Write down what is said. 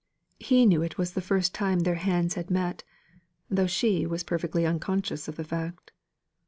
He knew it was the first time their hands had met, though she was perfectly unconscious of the fact.